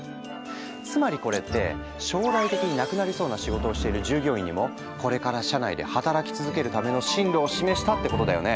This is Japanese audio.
つまりこれって将来的になくなりそうな仕事をしてる従業員にもこれから社内で働き続けるための進路を示したってことだよね。